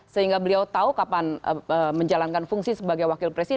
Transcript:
sehingga beliau tahu kapan menjalankan fungsi sebagai wakil presiden